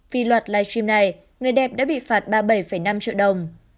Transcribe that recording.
vì loạt live stream này người đẹp đã bị phạt ba mươi bảy năm triệu đồng